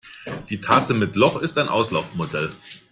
Die Tasse mit Loch ist ein Auslaufmodell.